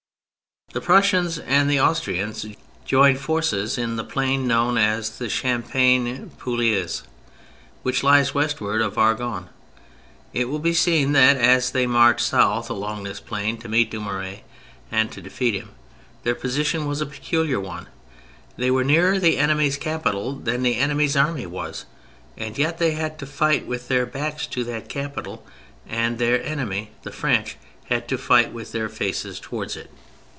The Prussians and the Austrians joined forces in the plain known as the Champagne Pouilleuse, which lies westward of Argonne. It wall be seen that as they marched south along this plain to meet Dumouriez and to defeat him, their position was a peculiar one : they were nearer the enemy's capital than the enemy's army was, and yet they had to fight with their backs to that capital, and their enemy the French had to fight with their faces towards it.